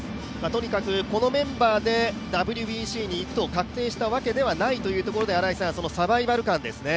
とにかくこのメンバーでＷＢＣに行くと確定したわけではないということでそのサバイバル感ですね。